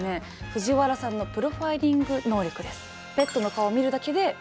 藤原さんのプロファイリング能力です。